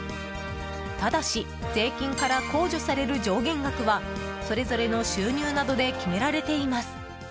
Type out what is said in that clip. ただし、税金から控除される上限額はそれぞれの収入などで決められています。